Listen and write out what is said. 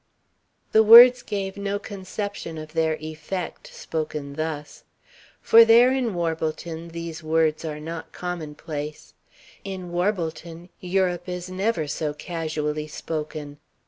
The words give no conception of their effect, spoken thus. For there in Warbleton these words are not commonplace. In Warbleton, Europe is never so casually spoken.